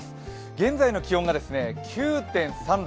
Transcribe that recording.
現在の気温が９．３度。